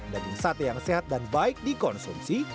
daging sate yang sehat dan baik dikonsumsi